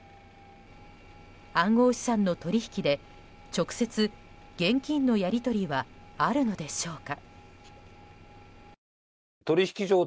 暗号資産の取引で直接、現金のやり取りはあるのでしょうか。